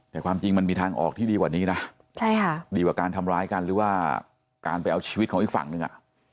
แต่ความจริงมันมีทางออกที่ดีกว่านี้นะดีกว่าการทำร้ายกันหรือว่าการไปเอาชีวิตของอีกฝั่งหนึ่งอ่ะ